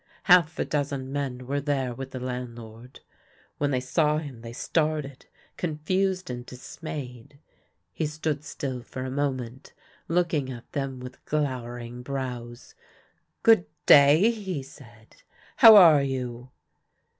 Half a dozen men were there with the landlord. When they saw him, they started, confused and dismayed. He stood still for a moment, looking at them with glowering brows. " Good day !" he said. " How are you